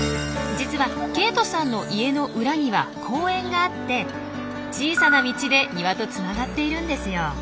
実はケイトさんの家の裏には公園があって小さな道で庭とつながっているんですよ。